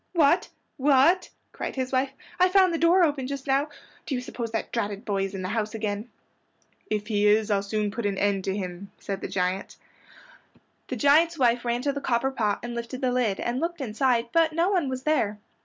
"What? What?" cried his wife, "I found the door open just now. Do you suppose that dratted boy is in the house again?" "If he is, I'll soon put an end to him," said the giant. The giant's wife ran to the copper pot and lifted the lid, and looked inside it, but no one was there.